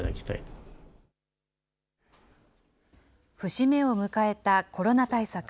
節目を迎えたコロナ対策。